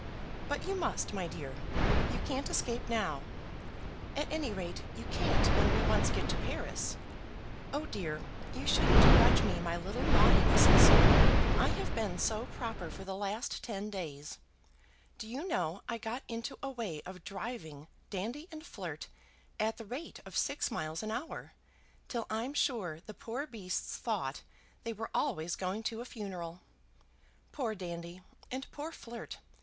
"But you must, my dear. You can't escape now. At any rate, you can't when we once get to Paris. Oh dear! you shouldn't grudge me my little naughtinesses. I have been so proper for the last ten days. Do you know I got into a way of driving Dandy and Flirt at the rate of six miles an hour, till I'm sure the poor beasts thought they were always going to a funeral. Poor Dandy and poor Flirt!